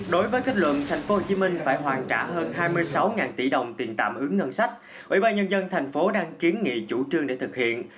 đối với kết luận tp hcm phải hoàn trả hơn hai mươi sáu tỷ đồng tiền tạm ứng ngân sách ubnd tp hcm đang kiến nghị chủ trương để thực hiện